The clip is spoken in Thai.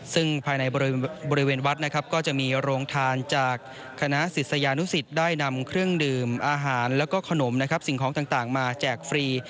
ซึ่งภายในบริเวณวัดก็จะมีโรงทานจากคณะศิษยานุศิษย์ได้นำเครื่องดื่มอาหารและขนมสิ่งของต่างมาแจกฟรี